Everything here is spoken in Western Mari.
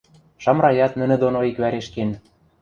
Шамраят нӹнӹ доно иквӓреш кен.